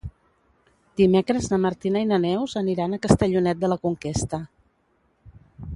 Dimecres na Martina i na Neus aniran a Castellonet de la Conquesta.